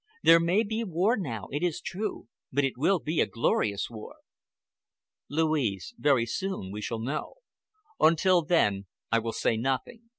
There may be war now, it is true, but it will be a glorious war." "Louise, very soon we shall know. Until then I will say nothing.